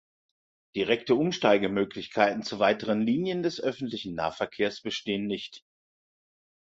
Direkte Umsteigemöglichkeiten zu weiteren Linien des öffentlichen Nahverkehrs bestehen nicht.